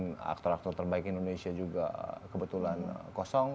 dan aktor aktor terbaik indonesia juga kebetulan kosong